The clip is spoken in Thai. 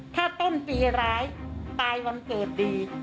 ถ้าต้นปีร้ายตายวันเกิดดี